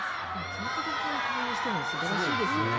９か国語に対応しているのもすごいですよね。